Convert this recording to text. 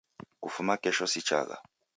Kufuma kesho sichagha